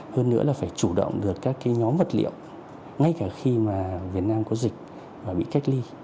hơn nữa là phải chủ động được các nhóm vật liệu ngay cả khi mà việt nam có dịch và bị cách ly